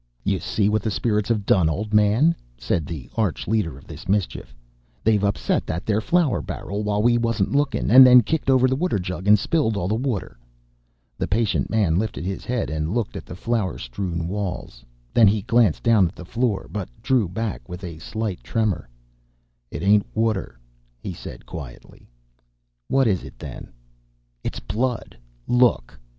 "'You see what the spirits have done, old man,' said the arch leader of this mischief. 'They've upset that there flour barrel while we wasn't looking, and then kicked over the water jug and spilled all the water!' "The patient man lifted his head and looked at the flour strewn walls. Then he glanced down at the floor, but drew back with a slight tremor. "'It ain't water!' he said, quietly. "'What is it, then?' "'It's BLOOD! Look!'